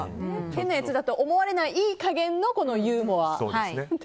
変な奴だと思われないいい加減のユーモア。